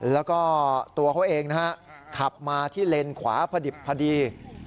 แล้วก็ตัวเขาเองนะฮะขับมาที่เลนขวาพอดิบพอดี